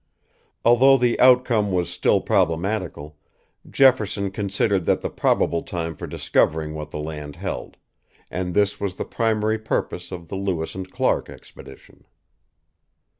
Although the outcome was still problematical, Jefferson considered that the proper time for discovering what the land held; and this was the primary purpose of the Lewis and Clark expedition.